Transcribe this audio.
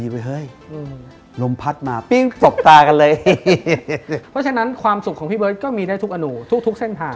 เพราะฉะนั้นความสุขของพี่เบิร์ตก็มีได้ทุกอนูทุกเส้นทาง